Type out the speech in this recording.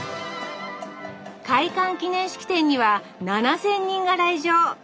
開館記念式典には７，０００人が来場スタジオすごい。